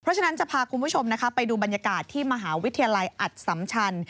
เพราะฉะนั้นจะพาคุณผู้ชมไปดูบรรยากาศที่มหาวิทยาลัยอัดสัมชัน